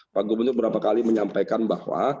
pak gubernur berapa kali menyampaikan bahwa